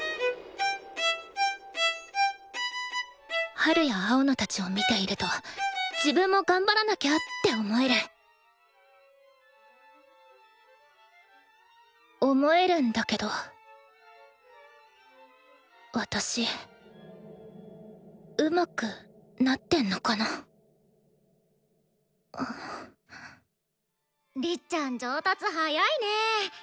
ハルや青野たちを見ていると自分も頑張らなきゃって思える思えるんだけど私うまくなってんのかなりっちゃん上達早いね。